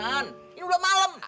ini udah malem